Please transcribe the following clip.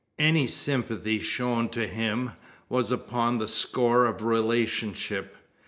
Any sympathy shown to him, was upon the score of relationship.